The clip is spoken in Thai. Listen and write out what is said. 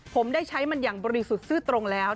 ผมได้ใช้มันอย่างบริสุทธิ์ซื่อตรงแล้ว